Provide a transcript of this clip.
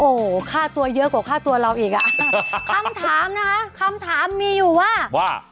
โอ้โหค่าตัวเยอะกว่าค่าตัวเราอีกอ่ะคำถามนะคะคำถามมีอยู่ว่าว่า